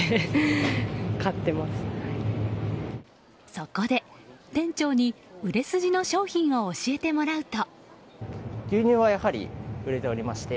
そこで店長に売れ筋の商品を教えてもらうと。